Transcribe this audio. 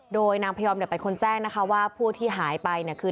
โดยนางพยอมเป็นคนแจ้งว่าผู้ที่หายไปคือ